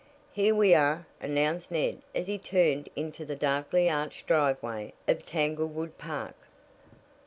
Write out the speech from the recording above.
"Here we are!" announced Ned as he turned into the darkly arched driveway of Tanglewood Park.